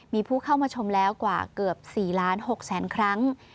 มีผู้เข้ามาชมแล้วกว่าเกือบ๔๖๐๐๐๐๐ครั้ง